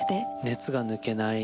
熱が抜けない。